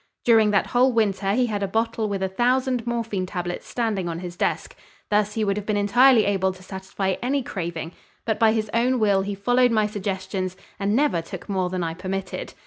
During that whole winter he had a bottle with a thousand morphine tablets standing on his desk. Thus he would have been entirely able to satisfy any craving, but by his own will he followed my suggestions and never took more than I permitted.